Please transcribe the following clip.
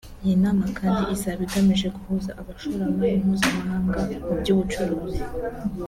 Iyi nama kandi izaba igamije guhuza abashoramari mpuzamahanga mu by’ubucuruzi